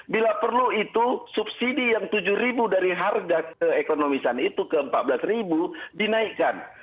bila perlu itu subsidi yang tujuh ribu dari harga keekonomisan itu ke empat belas dinaikkan